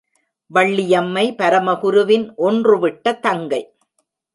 வள்ளியம்மை பரமகுருவின் ஒன்றுவிட்ட தங்கை.